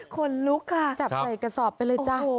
คนลุกค่ะจับใส่กระสอบไปเลยจ้ะ